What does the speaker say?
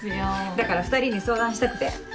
だから２人に相談したくて。